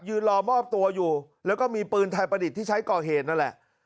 รอมอบตัวอยู่แล้วก็มีปืนไทยประดิษฐ์ที่ใช้ก่อเหตุนั่นแหละ